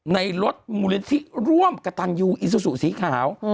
ในรถหมู่ลิธิร่วมกะตังยูอิซุสุสีขาว